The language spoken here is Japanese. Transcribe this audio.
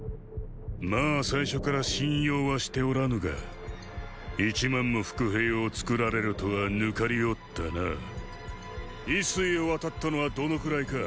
まァ最初から信用はしておらぬが一万も伏兵を作られるとは抜かりおったな渭水を渡ったのはどのくらいか。